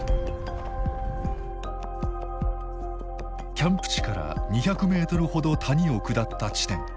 キャンプ地から２００メートルほど谷を下った地点。